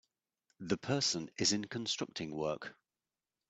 The person is in constructing work.